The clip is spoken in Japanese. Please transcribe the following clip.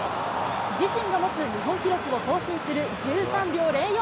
自身が持つ日本記録を更新する１３秒０４。